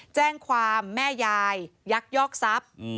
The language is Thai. แจ้งความแม่ยายยักยอกทรัพย์